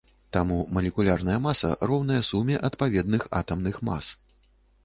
Таму малекулярная маса роўная суме адпаведных атамных мас.